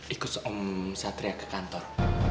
ikut om satria ke kantor